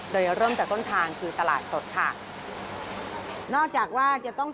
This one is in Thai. โดยเริ่มจากต้นทางคือตลาดสดค่ะ